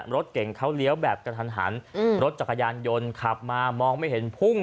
รถเก่งเขาเลี้ยวแบบกระทันหันรถจักรยานยนต์ขับมามองไม่เห็นพุ่ง